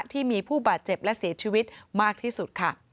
ที่มีผู้บาดเจ็บและเสียชีวิตมากที่สุดค่ะ